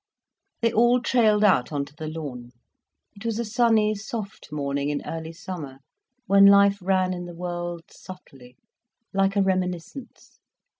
They all trailed out on to the lawn. It was a sunny, soft morning in early summer, when life ran in the world subtly, like a reminiscence.